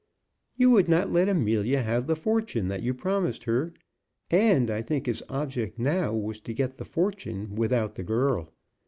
"You would not let Amelia have the fortune that you promised her; and I think his object now was to get the fortune without the girl.